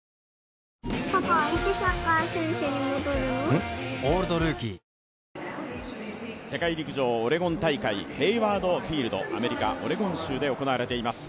え世界陸上オレゴン、ヘイワード・フィールドアメリカ・オレゴン州で行われています。